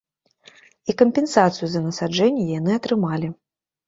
І кампенсацыю за насаджэнні яны атрымалі.